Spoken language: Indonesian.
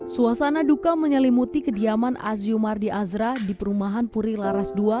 suasana duka menyelimuti kediaman aziumardi azra di perumahan puri laras ii